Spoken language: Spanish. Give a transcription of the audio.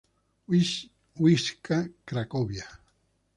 Wisła Cracovia